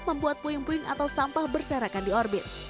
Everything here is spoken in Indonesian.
membuat puing puing atau sampah berserakan di orbit